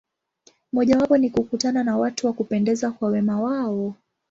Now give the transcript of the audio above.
Mojawapo ni kukutana na watu wa kupendeza kwa wema wao.